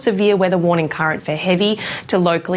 jadi ada suatu keterangan cairan hujan yang lebih keras